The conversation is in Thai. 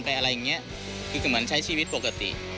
คือกับว่าฉันใช้ชีวิตปกติ